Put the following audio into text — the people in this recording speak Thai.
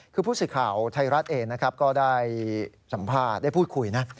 คือผู้สื่อข่าวไทยรัฐเองนะครับก็ได้สัมภาษณ์ได้พูดคุยนะ